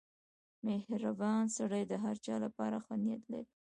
• مهربان سړی د هر چا لپاره ښه نیت لري.